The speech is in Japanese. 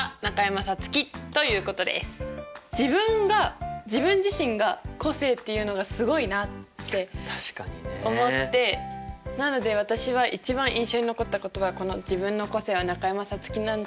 自分が自分自身が個性っていうのがすごいなって思ってなので私は一番印象に残った言葉はこの「自分の個性は中山咲月」なんじゃないかなって